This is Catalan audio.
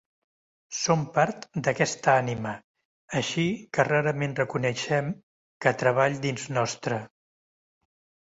Som part d'aquesta ànima, així que rarament reconeixem que treball dins nostre.